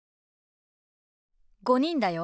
５人だよ。